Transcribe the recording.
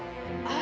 あ！